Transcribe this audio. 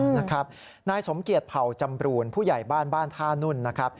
นายสมเกียจเผ่าจำรูนผู้ใหญ่บ้านบ้านท่านุ่นนะครับ